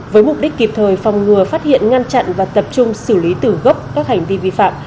với mục đích kịp thời phòng ngừa phát hiện ngăn chặn và tập trung xử lý tử gốc các hành vi vi phạm